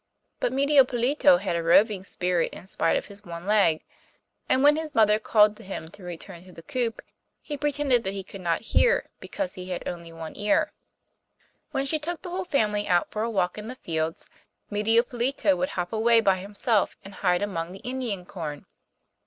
But Medio Pollito had a roving spirit in spite of his one leg, and when his mother called to him to return to the coop, he pretended that he could not hear, because he had only one ear. When she took the whole family out for a walk in the fields, Medio Pollito would hop away by himself, and hide among the Indian corn.